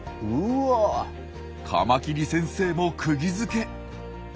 カマキリ先生もくぎづけ。